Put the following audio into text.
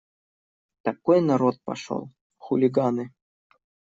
Такой народ пошел… хулиганы.